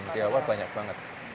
di awal banyak banget